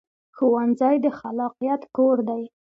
ښوونځی د خلاقیت کور دی